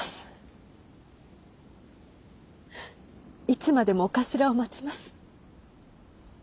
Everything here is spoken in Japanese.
いつまでもお頭を待ちます。